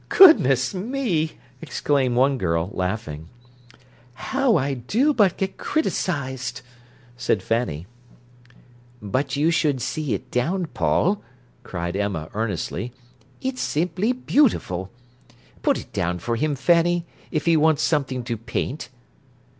"Goodness me!" exclaimed one girl, laughing. "How I do but get criticised," said Fanny. "But you should see it down, Paul," cried Emma earnestly. "It's simply beautiful. Put it down for him, Fanny, if he wants something to paint."